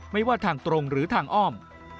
ไม่ว่าทางตรงหรือทางอ้อม